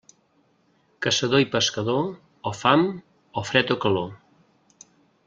Caçador i pescador, o fam, o fred o calor.